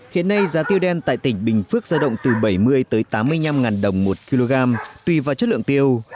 hiện nay giá tiêu đen tại tỉnh bình phước ra động từ bảy mươi tới tám mươi năm đồng một kg tùy vào chất lượng tiêu